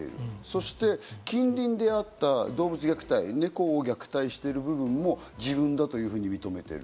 そして近隣であった動物虐待、猫を虐待してる部分も自分だというふうに認めている。